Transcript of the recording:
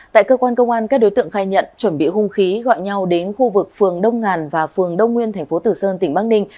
tại cơ quan công an các đối tượng khai nhận chuẩn bị hung khí gọi nhau đến khu vực phường đông ngàn và phường đông nguyên thành phố tử sơn tỉnh bắc ninh